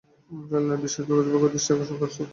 Rail ও বিশ্ববিদ্যালয় কর্তৃপক্ষের দৃষ্টি আকর্ষণ করছি।